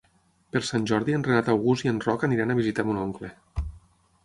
Per Sant Jordi en Renat August i en Roc aniran a visitar mon oncle.